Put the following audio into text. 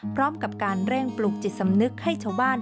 พร้อมกับการเร่งปลูกจิตสำนึกให้ชาวบ้าน